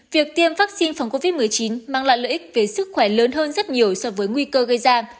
việc tiêm vaccine phòng covid một mươi chín mang lại lợi ích về sức khỏe lớn hơn rất nhiều so với nguy cơ gây ra